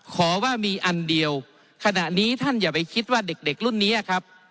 ขอว่ามีอันเดียวขณะนี้ท่านอย่าไปคิดว่าเด็กเด็กรุ่นนี้ครับ